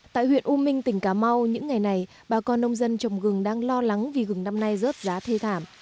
tại huyện u minh tỉnh cà mau những ngày này bà con nông dân trồng gừng đang lo lắng vì gừng năm nay rớt giá thê thảm